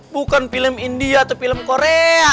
bukan film india atau film korea